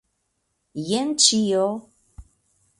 Jen ĉio!